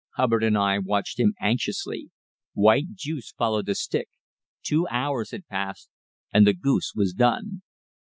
Hubbard and I watched him anxiously. White juice followed the stick. Two hours had passed, and the goose was done!